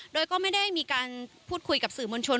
โดยก็ไม่ได้มีการพูดคุยกับสื่อมวลชน